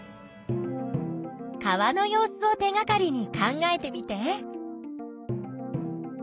川の様子を手がかりに考えてみて。